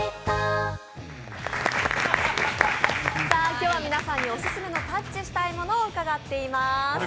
今日は皆さんにオススメのタッチしたいものを伺っています。